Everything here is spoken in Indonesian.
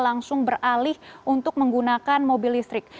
langsung beralih untuk menggunakan mobil listrik